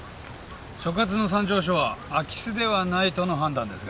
所轄の三条署は空き巣ではないとの判断ですが。